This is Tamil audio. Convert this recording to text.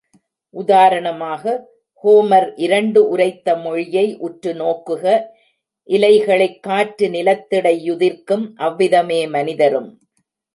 உதாரணமாக ஹோமர் இரண்டு உரைத்த மொழியை உற்று நோக்குக இலைகளைக் காற்று நிலத்திடை யுதிர்க்கும் அவ்விதமே மனிதரும்.